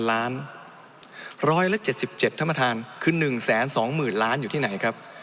๑๗๗ท่านประธานคือ๑๒๐๐๐ล้านอยู่ที่ไหนครับ